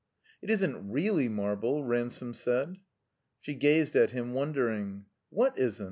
"It isn't reeUy marble," Ransome said. She gazed at him, wondering. ''What isn't?"